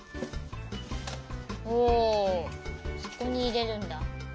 おおそこにいれるんだ。